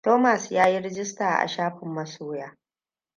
Thomas ya yi rijista a shafin masoya.